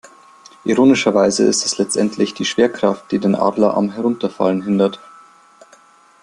Ironischerweise ist es letztendlich die Schwerkraft, die den Adler am Herunterfallen hindert.